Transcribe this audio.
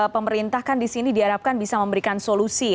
pemerintah kan di sini diharapkan bisa memberikan solusi